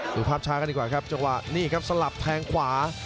ดูภาพช้ากันดีกว่าครับจังหวะนี่ครับสลับแทงขวา